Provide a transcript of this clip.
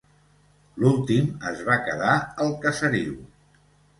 L'últim es va quedar el caseriu.